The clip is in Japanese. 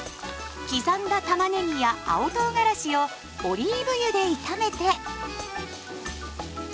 刻んだたまねぎや青とうがらしをオリーブ油で炒めて。